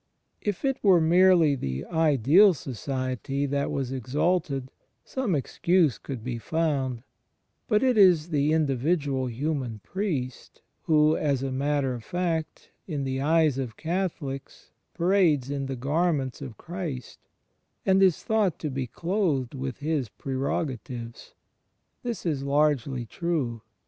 If it were merely the Ideal 66 CHRIST IN THE EXTERIOR 67 Society that was exalted, some excuse could be found; but it is the individual human priest who, as a matter of fact, in the eyes of Catholics parades in the garmjsnts of Christ, and is thought to be clothed with His pre rogatives. This is largely true.